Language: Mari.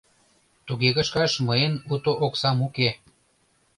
Туге кышкаш мыйын уто оксам уке.